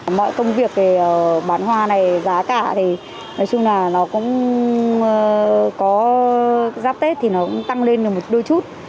mọi công việc về bán hoa này giá cả thì nói chung là nó cũng có giáp tết thì nó cũng tăng lên được một đôi chút